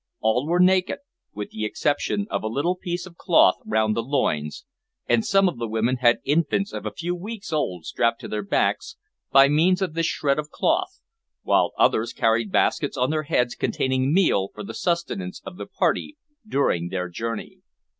All were naked, with the exception of a little piece of cloth round the loins, and some of the women had infants of a few weeks old strapped to their backs by means of this shred of cloth, while others carried baskets on their heads containing meal for the sustenance of the party during their journey.